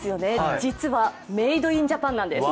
実はメイド・イン・ジャパンなんです。